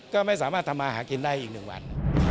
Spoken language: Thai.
ก็ไม่สามารถทำมาหากินได้อีก๑วัน